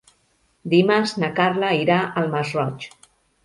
Dimarts na Carla irà al Masroig.